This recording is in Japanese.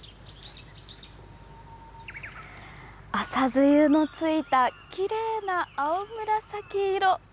朝づゆのついたきれいな青紫色。